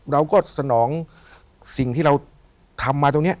เราก็สนองสิ่งที่เราทำมาตรงนี้